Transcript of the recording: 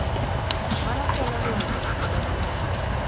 Mano kelo lwenje koda dhier